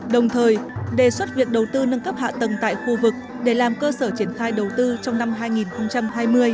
đồng thời đề xuất việc đầu tư nâng cấp hạ tầng tại khu vực để làm cơ sở triển khai đầu tư trong năm hai nghìn hai mươi